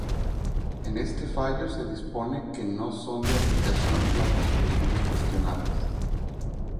En este fallo se dispone que no son de aplicación las resoluciones cuestionadas.